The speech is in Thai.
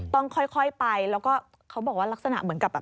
ต้องค่อยไปแล้วก็เขาบอกว่าลักษณะเหมือนกับแบบ